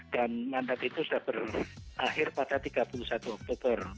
dan mandat itu sudah berakhir pada tiga puluh satu oktober